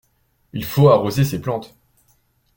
Il faut arroser ces plantes.